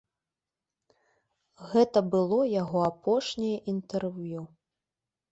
Гэта было яго апошняе інтэрв'ю.